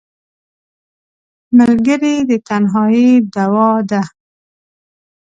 ملګری د تنهایۍ دواء ده